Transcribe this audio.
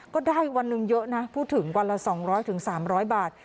ก็ได้วันหนึ่งเยอะนะพูดถึงวันละ๒๐๐๓๐๐บาท